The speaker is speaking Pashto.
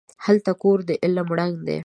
هلته کور د علم ړنګ دی